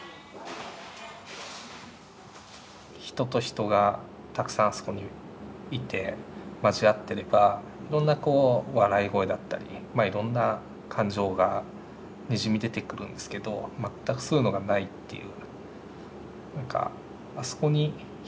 人と人がたくさんあそこにいて交わっていればいろんなこう笑い声だったりいろんな感情がにじみ出てくるんですけど全くそういうのがないっていう。